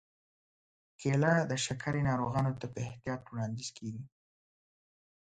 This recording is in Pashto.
کېله د شکرې ناروغانو ته په احتیاط وړاندیز کېږي.